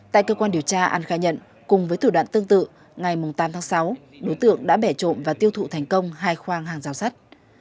tại cơ quan điều tra an khai nhận cùng với thủ đoạn tương tự ngày tám tháng sáu đối tượng đã bẻ trộm và tiêu thụ thành công hai khoang hàng rào sắt